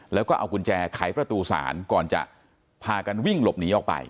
แล้วก็เอากุญแจไขประตูศาลก่อนจะพากันวิ่งหลบหนีออกไป